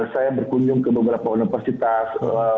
saya berkunjung ke beberapa universitas